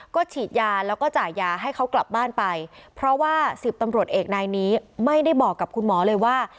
ก็ฉีดยาแล้วก็จ่ายยาให้เขากลับบ้านไปเพราะว่า๑๐ตำรวจเอกนายนี้ไม่ได้บอกกับคุณหมอเลยว่า